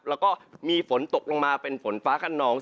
แล้วก็มีฝนตกลงมาเป็นฝนฟ้าขนอง